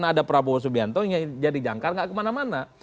tapi prabowo subianto yang jadi jangkar gak kemana mana